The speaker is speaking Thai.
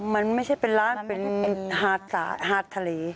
มันไม่ใช่เป็นร้านเป็นหาดทะเล